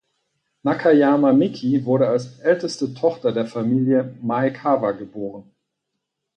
Nakayama Miki wurde als älteste Tochter der Familie Maekawa geboren.